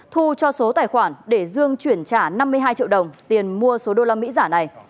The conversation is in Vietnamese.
thu cho số tài khoản để dương chuyển trả năm mươi hai triệu đồng tiền mua số usd giả này